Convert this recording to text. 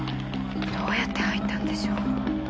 どうやって入ったんでしょう。